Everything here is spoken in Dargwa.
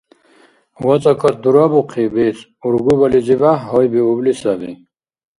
ВацӀакад дурабухъи, бецӀ ургубализибяхӀ гьайбиубли саби.